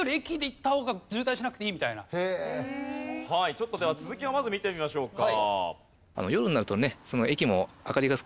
ちょっとでは続きをまず見てみましょうか。